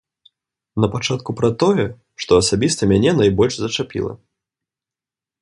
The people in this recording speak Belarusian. Напачатку пра тое, што асабіста мяне найбольш зачапіла.